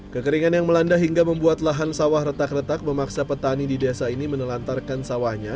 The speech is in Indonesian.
kekeringan yang melanda hingga membuat lahan sawah retak retak memaksa petani di desa ini menelantarkan sawahnya